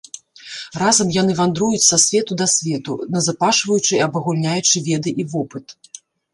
Разам яны вандруюць са свету да свету, назапашваючы і абагульняючы веды і вопыт.